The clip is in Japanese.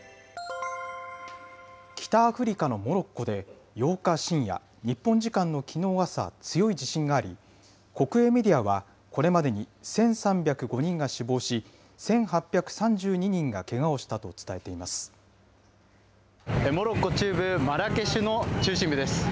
北アフリカのモロッコで８日深夜、日本時間のきのう朝、強い地震があり、国営メディアは、これまでに１３０５人が死亡し、１８３２人がけがをしたと伝えてモロッコ中部マラケシュの中心部です。